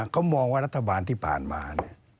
เขามองว่ารัฐบาลที่ผ่านมา